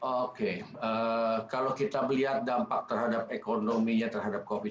oke kalau kita melihat dampak terhadap ekonominya terhadap covid sembilan belas